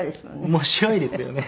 面白いですよね。